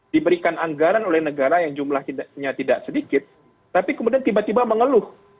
diberikan anggaran oleh negara yang jumlahnya tidak sedikit tapi kemudian tiba tiba mengeluh